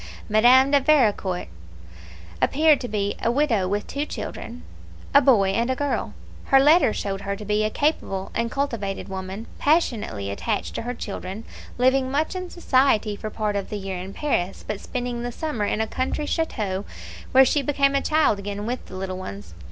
Madame de Vericourt appeared to be a widow with two children, a boy and girl. Her letters showed her to be a capable and cultivated woman, passionately attached to her children, living much in society for part of the year in Paris, but spending the summer in a country chateau, where she became a child again with the little ones.